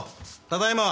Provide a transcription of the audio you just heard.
ただいま。